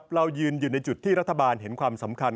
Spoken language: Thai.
เรายืนอยู่ในจุดที่รัฐบาลเห็นความสำคัญ